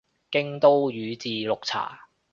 京都宇治綠茶